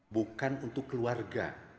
bukan untuk keluarga